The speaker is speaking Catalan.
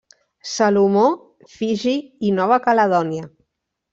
Salomó, Fiji i Nova Caledònia.